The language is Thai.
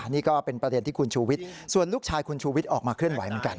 นี่ก็เป็นประเด็นที่คุณชูวิทย์ส่วนลูกชายคุณชูวิทย์ออกมาเคลื่อนไหวเหมือนกัน